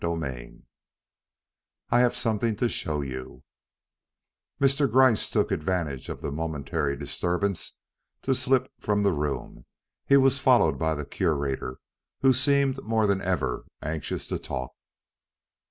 III "I HAVE SOMETHING TO SHOW YOU" Mr. Gryce took advantage of the momentary disturbance to slip from the room. He was followed by the Curator, who seemed more than ever anxious to talk.